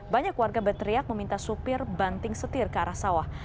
banyak warga berteriak meminta supir banting setir ke arah sawah